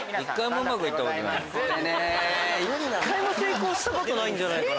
一回も成功したことないんじゃないかな。